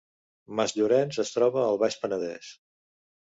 Masllorenç es troba al Baix Penedès